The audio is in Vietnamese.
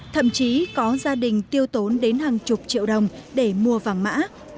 thậm chí có gia đình tiêu tốn đến hàng chục triệu đồng để mua vàng mã